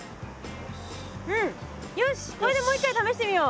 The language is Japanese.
うんよしこれでもう一回試してみよう。